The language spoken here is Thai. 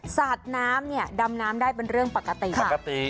สัตว์น้ำดำน้ำได้เป็นเรื่องปกติ